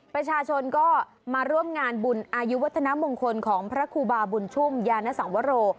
ประชาชนก็มาร่วมงานบุญอายุวัฒนามงคลของพระครูบาบุญชุ่มยานสังวโร